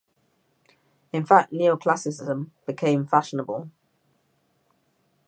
In fact Neo-classicism became fashionable.